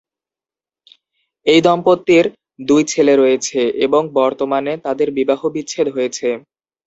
এই দম্পতির দুই ছেলে রয়েছে এবং বর্তমানে তাদের বিবাহবিচ্ছেদ হয়েছে।